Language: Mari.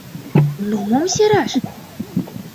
Но мом сераш?